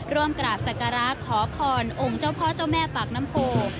ร่วมกราบสักการะขอพรองค์เจ้าพ่อเจ้าแม่ปากน้ำโพ